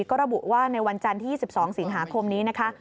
ก็ระบุว่าในวันจันทร์ที่๒๒สิงหาคมนี้นะคะ